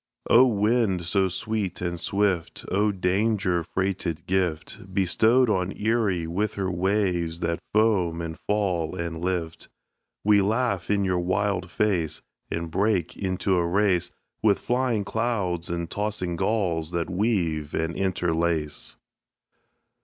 O! wind so sweet and swift, O! danger freighted gift Bestowed on Erie with her waves that foam and fall and lift, We laugh in your wild face, And break into a race With flying clouds and tossing gulls that weave and interlace.